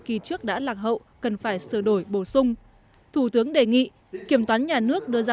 kỳ trước đã lạc hậu cần phải sửa đổi bổ sung thủ tướng đề nghị kiểm toán nhà nước đưa ra